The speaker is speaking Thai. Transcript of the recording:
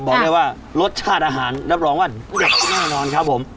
บอกได้ว่ารสชาติอาหารรับรองว่าเด็ดแน่นอนครับผม